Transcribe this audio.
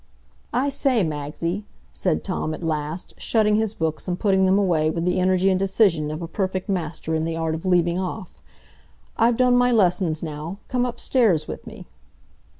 "I say, Magsie," said Tom at last, shutting his books and putting them away with the energy and decision of a perfect master in the art of leaving off, "I've done my lessons now. Come upstairs with me."